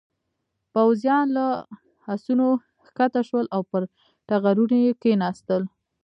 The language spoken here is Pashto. پوځيان له آسونو کښته شول او پر ټغرونو یې کېناستل.